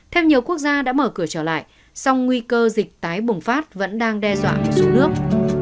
thêm nhiều quốc gia đã mở cửa trở lại song nguy cơ dịch tái bùng phát vẫn đang đe dọa một số nước